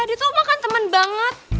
dia tuh emang kan temen banget